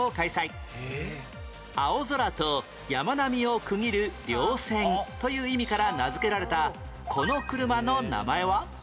青空と山並みを区切る稜線という意味から名付けられたこの車の名前は？